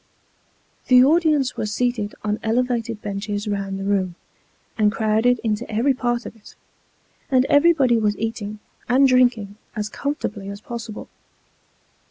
The audience were seated on elevated benches round the room, and crowded into every part of it ; and everybody was eating and drinking as com fortably as possible.